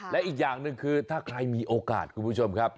และอีกอย่างหนึ่งคือถ้าใครมีโอกาสคุณผู้ชมครับ